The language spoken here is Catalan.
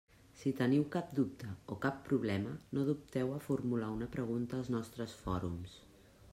Si teniu cap dubte o cap problema, no dubteu a formular una pregunta als nostres fòrums.